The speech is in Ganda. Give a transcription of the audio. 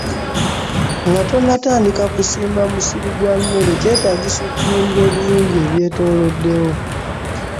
Nga tonnatandika kusimba musiri gwa mmere, kyetagisa okutunuulira obulungi ebyetooloddewo.